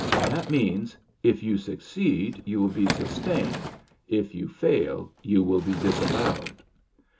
That means, "If you succeed, you will be sustained; if you fail, you will be disavowed."